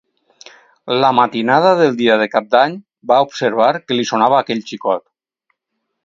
La matinada del dia de cap d'any va observar que li sonava aquell xicot.